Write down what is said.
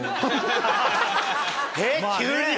えっ急に！？